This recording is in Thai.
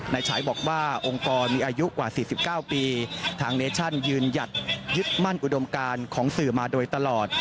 ฉายบอกว่าองค์กรมีอายุกว่า๔๙ปีทางเนชั่นยืนหยัดยึดมั่นอุดมการของสื่อมาโดยตลอด